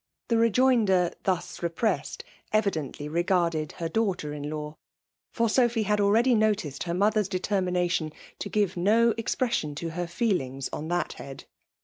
The rejoinder, thus repressed, evidently regarded her daixghter in*law; for Sophy had already noticed her mother's detenmnatioii to give no expression to her feelings on that head.